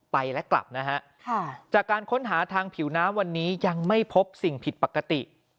ไปและกลับนะฮะจากการค้นหาทางผิวน้ำวันนี้ยังไม่พบสิ่งผิดปกติ